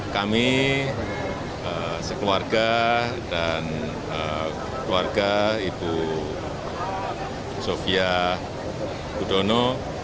kami sekeluarga dan keluarga ibu sofia gudono